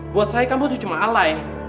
buat saya kamu itu cuma halai